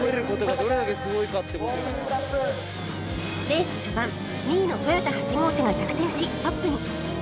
レース序盤２位のトヨタ８号車が逆転しトップに